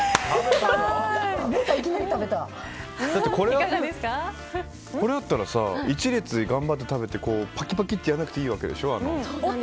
これだったら１列頑張って食べてパキパキってやらなくていいわけでしょ。